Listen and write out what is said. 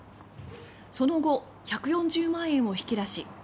その後１４０万円を引き出し